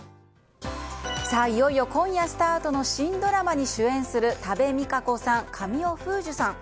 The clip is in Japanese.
いよいよ今夜スタートの新ドラマに主演する多部未華子さん、神尾楓珠さん。